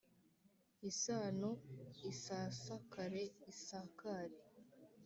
Isano isasakare isakare.